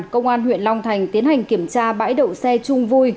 công an huyện long thành tiến hành kiểm tra bãi đậu xe trung vui